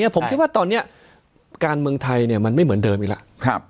ผมคิดว่าตอนนี้การเมืองไทยมันไม่เหมือนเดิมอีกแล้ว